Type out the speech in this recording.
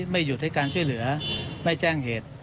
ไม่หยุดให้การช่วยเหลือไม่แจ้งเหตุ